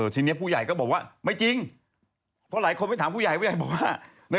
ทีนี้ผู้ใหญ่ก็บอกว่าไม่จริงเพราะหลายคนไปถามผู้ใหญ่ผู้ใหญ่บอกว่า